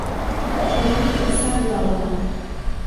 چادري پر سر راغله!